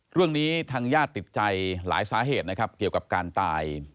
เรื่องนี้ทางญาติติดใจหลายสาเหตุนะครับเกี่ยวกับการตาย